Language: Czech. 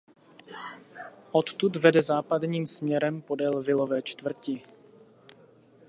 Odtud vede západním směrem podél vilové čtvrti.